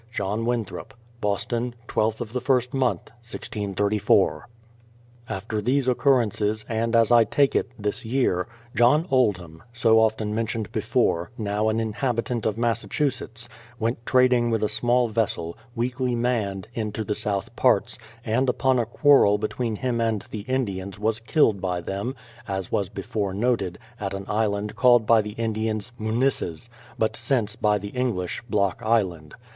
JOHN WINTHROP. Boston, I2th of the first fnonth, 1634. After these occurrences, and as I take it, this year, John Oldham, so often mentioned before, now an inhabitant of Massachusetts, went trading with a small vessel, weakly manned, into the south parts, and upon a quarrel be tween him and the Indians was killed by them, as was before noted, at an Island called by the Indians, Munisses, but since by the English, Block Island.